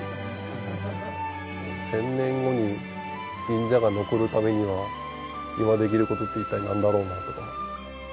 １０００年後に神社が残るためには今できることって一体なんだろうなとか。